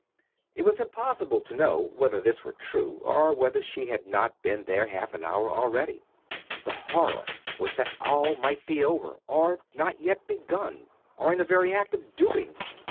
It was impossible to know whether this were true, or whether she had not been there half an hour already. The horror was that all might be over, or not yet begun, or in the very act of doing.